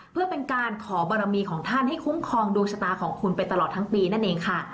เพื่อเป็นการขอบารมีของท่านให้คุ้มครองดวงชะตาของคุณไปตลอดทั้งปีนั่นเองค่ะ